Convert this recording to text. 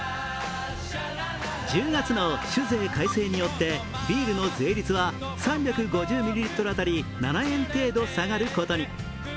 １０月の酒税改正によって、ビールの税率は３５０ミリリットル当たり７円程度下がることに。